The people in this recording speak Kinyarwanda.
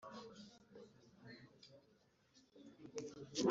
isaba kwandika ikirango agatsinda